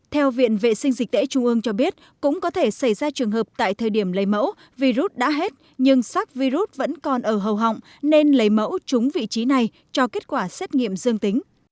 theo viện vệ sinh dịch tễ trung ương cho biết cũng có thể xảy ra trường hợp tại thời điểm lấy mẫu virus đã hết nhưng sars virus vẫn còn ở hầu họng nên lấy mẫu trúng vị trí này cho kết quả xét nghiệm dương tính